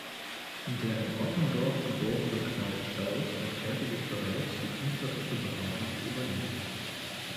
Der in Otterndorf geborene Klaus Staudt erklärte sich bereit, die künstlerische Beratung zu übernehmen.